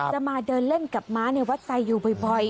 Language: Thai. มาเดินเล่นกับม้าในวัดไซดอยู่บ่อย